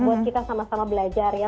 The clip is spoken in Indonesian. buat kita sama sama belajar ya